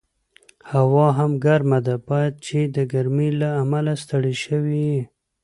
هوا هم ګرمه ده، باید چې د ګرمۍ له امله ستړی شوي یې.